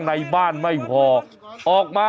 จัดกระบวนพร้อมกัน